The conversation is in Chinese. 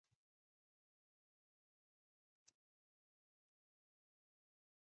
其兄曾经担任伦敦市长。